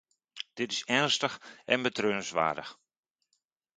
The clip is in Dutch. Dit is ernstig en betreurenswaardig.